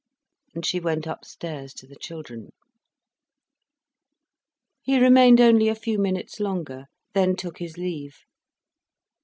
And she went upstairs to the children. He remained only a few minutes longer, then took his leave.